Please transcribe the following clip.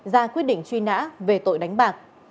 ra quyết định truy nã về tội đánh bạc